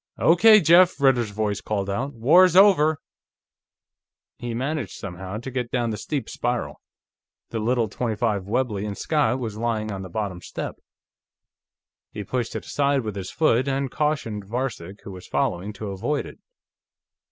"Okay, Jeff!" Ritter's voice called out. "War's over!" He managed, somehow, to get down the steep spiral. The little .25 Webley & Scott was lying on the bottom step; he pushed it aside with his foot, and cautioned Varcek, who was following, to avoid it.